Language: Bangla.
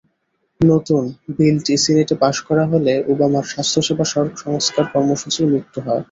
নতুন বিলটি সিনেটে পাস করা হলে ওবামার স্বাস্থ্যসেবা সংস্কার কর্মসূচির মৃত্যু ঘটবে।